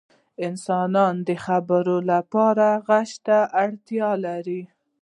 • انسانان د خبرو لپاره ږغ ته اړتیا لري.